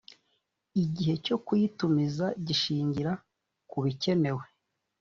Igihe cyo kuyitumiza gishingira ku bikenewe